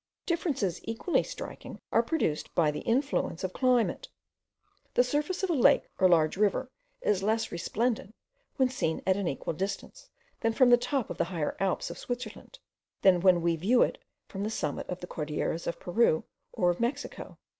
Differences equally striking are produced by the influence of climate. The surface of a lake or large river is less resplendent, when we see it at an equal distance, from the top of the higher Alps of Switzerland, than when we view it from the summit of the Cordilleras of Peru or of Mexico.